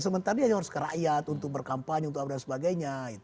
sementara dia hanya harus ke rakyat untuk berkampanye untuk apa dan sebagainya